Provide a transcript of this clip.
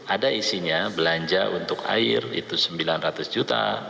ada isinya belanja untuk air itu sembilan ratus juta